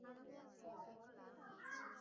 致赠精美小礼物